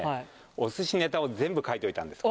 お寿司ネタを全部書いておいたんです。